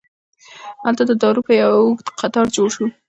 هلته د دارو یو اوږد قطار جوړ شو.